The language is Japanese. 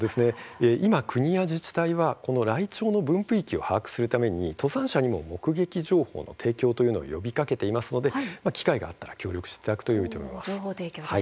今、国や自治体はライチョウの分布域を把握するために登山者にも目撃情報の提供を呼びかけていますので機会があったら協力していただくとよいと思います。